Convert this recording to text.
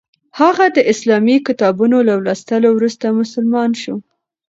هغه د اسلامي کتابونو له لوستلو وروسته مسلمان شو.